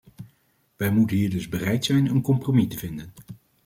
Wij moeten hier dus bereid zijn een compromis te vinden.